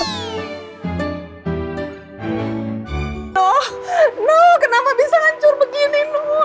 noh noh kenapa bisa hancur begini noh